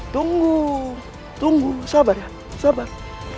tunggu tunggu sabar sabar